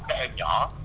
cái em nhỏ